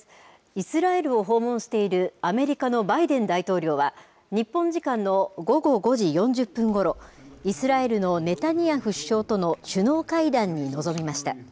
イスラエルを訪問している、アメリカのバイデン大統領は、日本時間の午後５時４０分ごろ、イスラエルのネタニヤフ首相との首脳会談に臨みました。